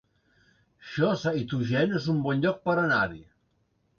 Josa i Tuixén es un bon lloc per anar-hi